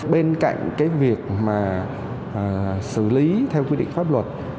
bên cạnh cái việc mà xử lý theo quy định pháp luật